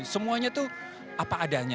semuanya itu apa adanya